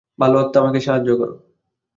ভাল আত্মা আমাকে সাহায্য করো।